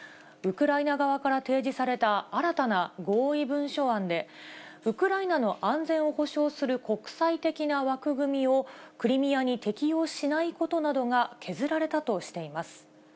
ウクライナ側から提示された新たな合意文書案で、ウクライナの安全を保証する国際的な枠組みを、クリミアに適用しないことなどが削られたとしています。